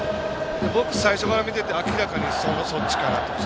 僕、最初から見ていて明らかに、そっちかなと。